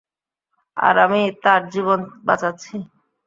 আর আমি তার জীবন বাঁচাচ্ছি।